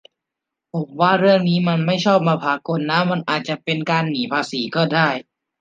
ผมว่าเรื่องนี้มันไม่ชอบมาพากลนะ มันอาจจะเป็นการหนีภาษีก็ได้